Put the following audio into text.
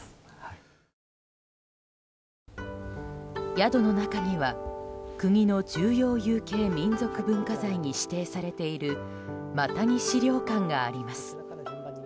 宿の中には国の重要有形民俗文化財に指定されているマタギ資料館があります。